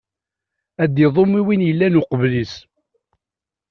Ad iḍum i win yellan uqbel-is.